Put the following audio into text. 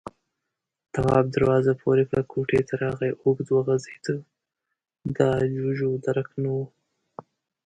تواب دروازه پورې کړه، کوټې ته راغی، اوږد وغځېد، د جُوجُو درک نه و.